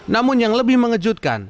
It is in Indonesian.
namun yang lebih mengejutkan